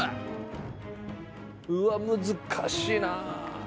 うわっ難しいな。